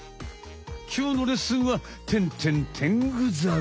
きょうのレッスンはテンテンテングザル。